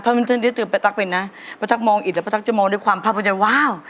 ถ้าตอนนี้ต้องเป็นประตักเป็นน่ะประตักมองอิตแล้วประตักจะมองด้วยความภาพบรรยายว้าว